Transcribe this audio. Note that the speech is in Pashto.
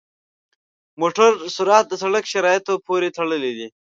د موټر سرعت د سړک شرایطو پورې تړلی دی.